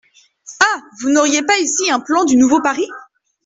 Ah ! vous n’auriez pas ici un plan du nouveau Paris ?